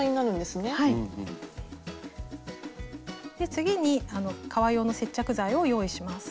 次に革用の接着剤を用意します。